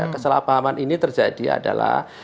kesalahpahaman ini terjadi adalah